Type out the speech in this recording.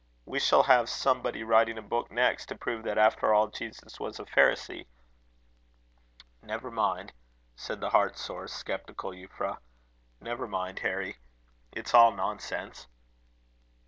We shall have somebody writing a book next to prove that after all Jesus was a Pharisee." "Never mind," said the heart sore, sceptical Euphra; "never mind, Harry; it's all nonsense."